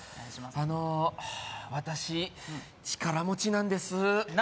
あの私力持ちなんです何？